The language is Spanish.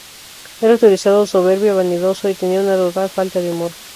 Era autoritario, soberbio, vanidoso y tenía una total falta de humor.